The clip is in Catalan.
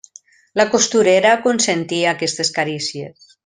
La costurera consentia aquestes carícies.